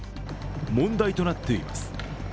問題となっています。